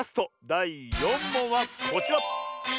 だい４もんはこちら！